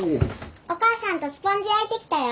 お母さんとスポンジ焼いてきたよ。